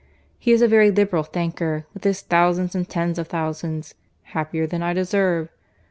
—He is a very liberal thanker, with his thousands and tens of thousands.—'Happier than I deserve.